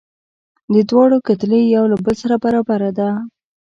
د دواړو کتلې یو له بل سره برابره ده.